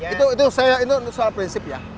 itu soal prinsip ya